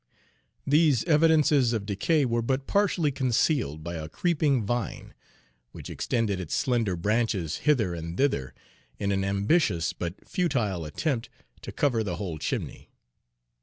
These evidences of decay were but partially concealed by a creeping Page 37 vine, which extended its slender branches hither and thither in an ambitious but futile attempt to cover the whole chimney.